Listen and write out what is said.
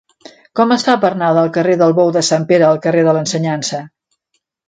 Com es fa per anar del carrer del Bou de Sant Pere al carrer de l'Ensenyança?